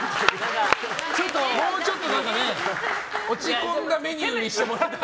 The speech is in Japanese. もうちょっと落ち込んだメニューにしてもらって。